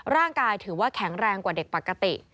ร่างกายถือว่าแข็งแรงกว่าเด็กปกติ